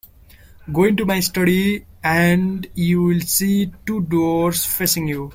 Go into my study, and you will see two doors facing you.